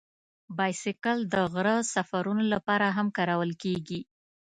بایسکل د غره سفرونو لپاره هم کارول کېږي.